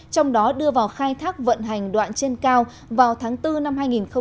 trong đó đưa vào khai thác vận hành đoạn trên cao vào tháng bốn năm hai nghìn hai mươi